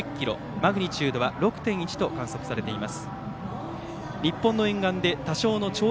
マグニチュードは６．１と観測されています。